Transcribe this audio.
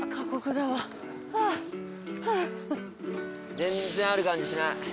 全然ある感じしない。